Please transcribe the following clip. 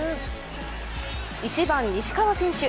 １番・西川選手。